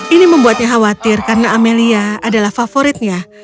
ini membuatnya khawatir karena amelia adalah favoritnya